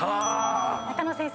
中野先生。